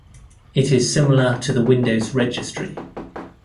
It is similar to the Windows Registry.